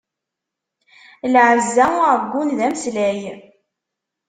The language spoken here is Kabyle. Lɛezza uɛeggun d ameslay.